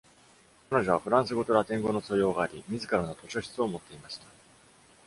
彼女はフランス語とラテン語の素養があり、自らの図書室を持っていました。